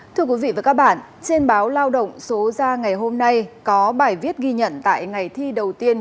thưa quý vị và các bạn trên báo lao động số ra ngày hôm nay có bài viết ghi nhận tại ngày thi đầu tiên